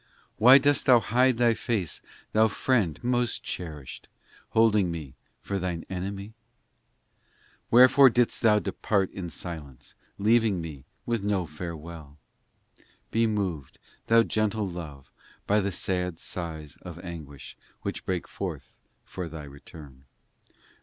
Why dost Thou hide Thy face, Thou Friend most cherished, Holding me for Thine enemy ? VII Wherefore didst Thou depart in silence, leaving me With no farewell ? Be moved, Thou gentle Love, by the sad sighs Of anguish, which break forth for Thy return.